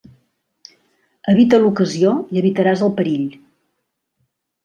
Evita l'ocasió i evitaràs el perill.